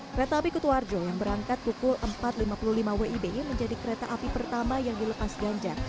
kereta api kutuarjo yang berangkat pukul empat lima puluh lima wib menjadi kereta api pertama yang dilepas ganjar